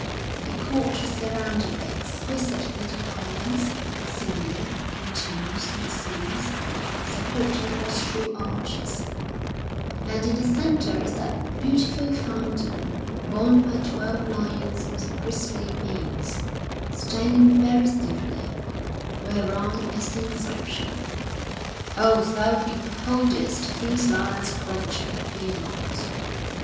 The Court is surrounded by exquisite Alhambra little columns, singly, in twos, in threes, supporting horse shoe arches ; and in the centre is that beautiful fountain, borne by twelve lions with bristly manes, standing very stiffly, whereon is the inscription : O thou who beholdest these lions crouching^ fear not.